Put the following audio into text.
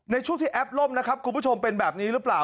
ในช่วงที่แอปล่มนะครับคุณผู้ชมเป็นแบบนี้หรือเปล่า